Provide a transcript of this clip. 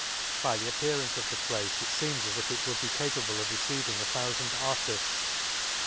— By the ap pearance of the place, it feems as if it would be capable of receiving a thoufand artifts.